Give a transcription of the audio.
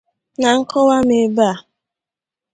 Na nkọwa m ebe a